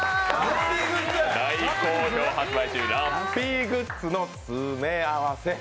大好評発売中、ラッピーグッズの詰め合わせ。